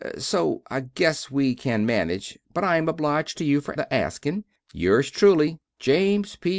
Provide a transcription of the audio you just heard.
So I guess we can manige but I am obliged to you fer the asking. Yours truly, James P.